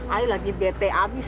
ayah lagi bete abis